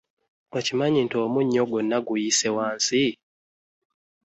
Okimanyi nti omunnyo gona guyiise wansi.